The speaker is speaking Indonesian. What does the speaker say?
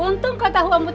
untung katahuan bu teta